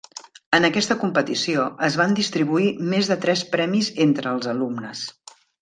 En aquesta competició, es van distribuir més de tres premis entre els alumnes.